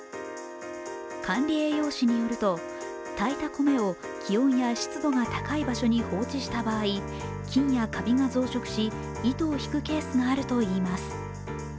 管理栄養士によると、炊いた米を気温や湿度が高い場所に放置した場合、菌やかびが増殖し、糸を引くケースがあるといいます。